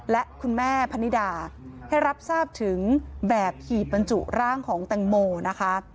และคุณแม่พนิดาให้รับทราบถึงแบบหีบบรรจุร่างของแตงโมนะคะ